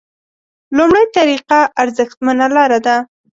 لومړۍ طریقه ارزښتمنه لاره ده.